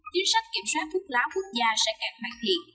chính sách kiểm soát thuốc lá quốc gia sẽ càng hoàn thiện